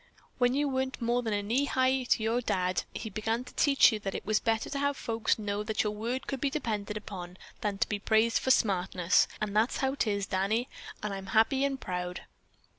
When you weren't more than knee high to your Dad, he began to teach you that it was better to have folks know that your word could be depended on than to be praised for smartness, and that's how 'tis, Danny, and I'm happy and proud."